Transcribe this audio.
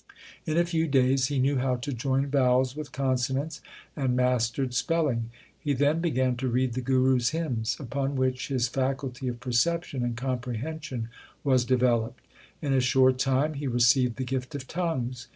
In a few days he knew how to join vowels with consonants and mastered spelling. He then began to read the Guru s hymns, upon which his faculty of perception and comprehension was developed. In a short time he received the gift of tongues.